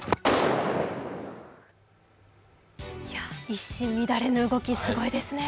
一糸乱れぬ動き、すごいですね。